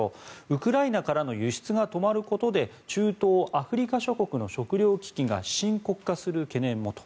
ウクライナからの輸出が止まることで中東、アフリカ諸国の食糧危機が深刻化する懸念もと。